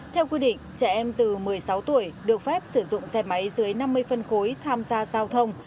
theo quy định trẻ em từ một mươi sáu tuổi được phép sử dụng xe máy dưới năm mươi phân khối tham gia giao thông